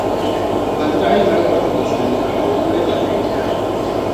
Bandɔɣu yi mali kɔbiri o zuli ni bɛ bi booni o jɛŋkuno.